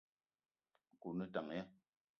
Nkou o ne tank ya ?